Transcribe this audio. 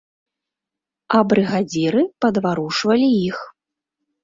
А брыгадзіры падварушвалі іх.